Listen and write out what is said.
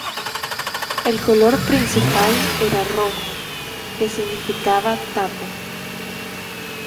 El color principal era rojo, que significaba tapu.